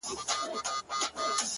د ميني شر نه دى چي څـوك يـې پــټ كړي;